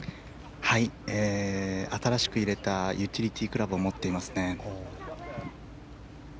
新しく入れたユーティリティークラブを持っていますね。